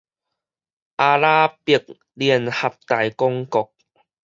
阿拉伯聯合大公國